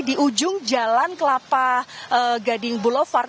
di ujung jalan kelapa gading boulevard